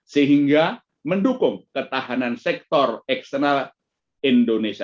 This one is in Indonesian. sehingga mendukung ketahanan sektor eksternal indonesia